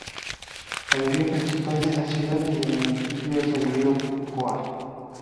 El río principal de la ciudad y del municipio es el río Coa.